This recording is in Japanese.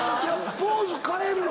ポーズ変えるの？